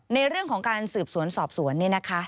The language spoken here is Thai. ในเรื่องของการสืบสวนสอบสวนนี่นะคะ